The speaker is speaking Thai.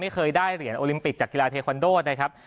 เคยได้เหรียญโอลิมปิกจากกีฬาเทคอนโดนะครับ